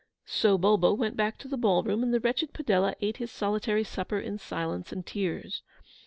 So Bulbo went back to the ball room and the wretched Padella ate his solitary supper in silence and tears.